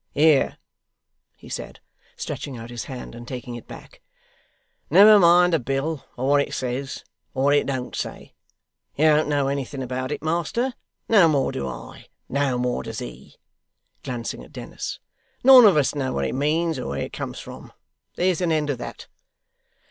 'Here!' he said, stretching out his hand and taking it back; 'never mind the bill, or what it says, or what it don't say. You don't know anything about it, master, no more do I, no more does he,' glancing at Dennis. 'None of us know what it means, or where it comes from: there's an end of that.